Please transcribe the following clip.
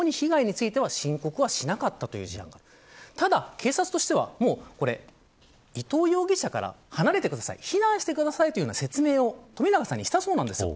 警察としては伊藤容疑者から離れてください避難してくださいという説明を冨永さんにしたそうです。